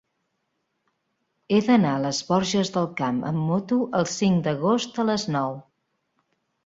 He d'anar a les Borges del Camp amb moto el cinc d'agost a les nou.